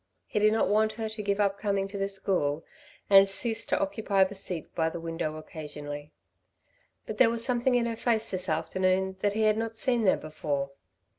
He did not want her to give up coming to the school and cease to occupy the seat by the window occasionally. But there was something in her face this afternoon that he had not seen there before.